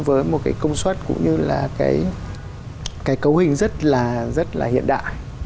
với một cái công suất cũng như là cái cấu hình rất là hiện đại